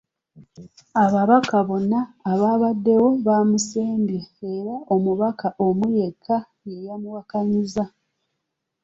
Ababaka bonna abaabaddewo baamusembye era omubaka omu yekka ye yakiwakanyizza.